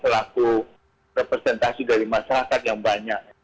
pelaku representasi dari masyarakat yang banyak